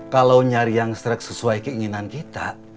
kalau nyari yang stret sesuai keinginan kita